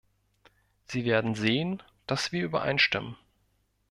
Sie werden sehen, dass wir übereinstimmen.